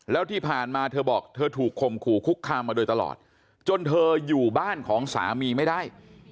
แล้วที่ผ่านมาเธอบอกเธอถูกคมขู่คุกคามมาโดยตลอดจนเธออยู่บ้านของสามีไม่ได้